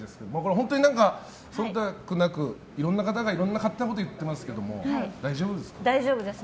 本当に忖度なくいろんな方が勝手なことを言ってますけど大丈夫ですか？